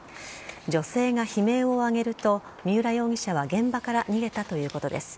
女性が悲鳴を上げると三浦容疑者は現場から逃げたということです。